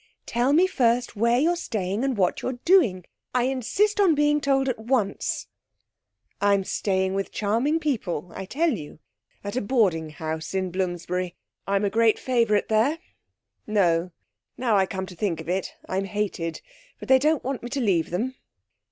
'Tell me first where you're staying and what you're doing. I insist on being told at once.' 'I'm staying with charming people. I tell you. At a boarding house in Bloomsbury. I'm a great favourite there; no now I come to think of it I'm hated. But they don't want me to leave them.'